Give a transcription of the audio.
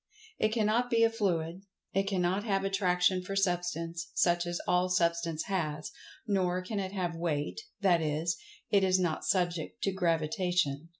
It cannot be a Fluid. It cannot have Attraction for Substance, such as all[Pg 104] Substance has. Nor can it have Weight—that is, it is not subject to Gravitation.